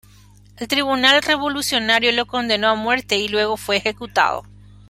El Tribunal Revolucionario lo condenó a muerte y luego fue ejecutado.